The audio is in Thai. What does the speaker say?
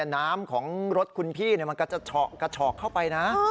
น้ำของรถคุณพี่มันกระเฉาะเข้าไปนะ